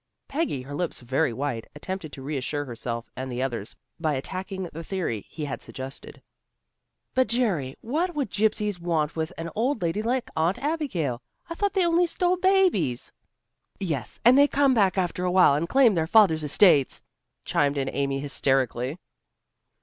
Peggy, her lips very white, attempted to reassure herself and the others, by attacking the theory he had suggested. "But, Jerry, what would gypsies want with an old lady like Aunt Abigail? I thought they only stole babies." "Yes, and they come back after a while and claim their fathers' estates," chimed in Amy hysterically.